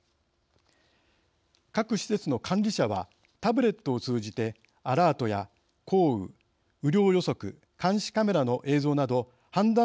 各施設の管理者はタブレットを通じてアラートや降雨雨量予測、監視カメラの映像など判断